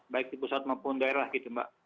baik di pusat maupun daerah gitu mbak